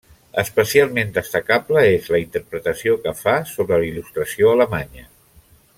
Especialment destacable és la interpretació que fa sobre la il·lustració alemanya.